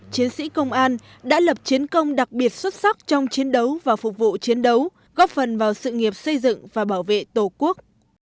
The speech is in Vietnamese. chiến sĩ công an đã lập chiến công đặc biệt xuất sắc trong chiến đấu và phục vụ chiến đấu góp phần vào sự nghiệp xây dựng và bảo vệ tổ quốc